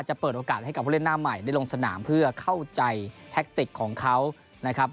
เปิดโอกาสให้กับผู้เล่นหน้าใหม่ได้ลงสนามเพื่อเข้าใจแท็กติกของเขานะครับ